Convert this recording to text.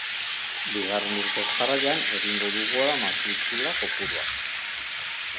Bigarren urtez jarraian egin du gora matrikulakopuruak.